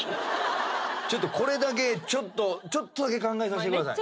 ちょっとこれだけちょっとちょっとだけ考えさせてください